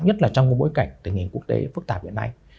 nhất là trong cái bối cảnh tình hình quốc tế phức tạp hiện nay